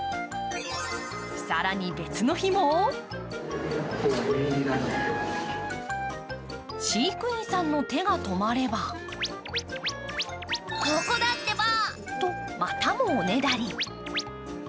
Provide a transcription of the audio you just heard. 更に、別の日も飼育員さんの手が止まればここだってば！と、またもおねだり。